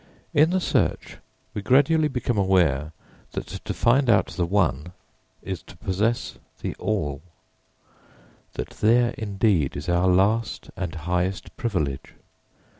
In the search we gradually become aware that to find out the One is to possess the All; that there, indeed, is our last and highest privilege.